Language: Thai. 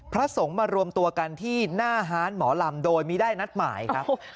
พระสงฆ์มารวมตัวกันที่หน้าฮานหมอลำโดยมีได้นัดหมายครับ